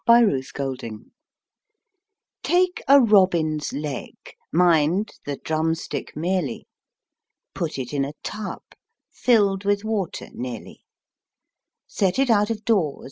HOMCEOPATHIC SOUP Tare a robin's leg (Mind, the drumstick merely) ; Put it in a tub Filled with water nearly; Set it out of doors.